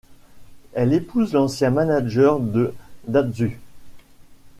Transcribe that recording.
Elle épouse l'ancien manager de Datzu.